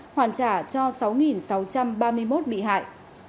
hoàn trả cho sáu sáu trăm ba mươi một bị hại